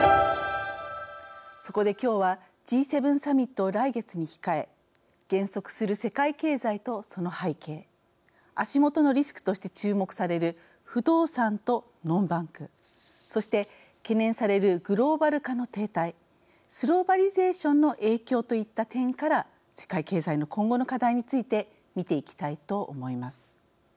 そこで今日はＧ７サミットを来月に控え減速する世界経済とその背景足元のリスクとして注目される不動産とノンバンクそして、懸念されるグローバル化の停滞スローバリゼーションの影響といった点から世界経済の今後の課題について見ていきたいと思います。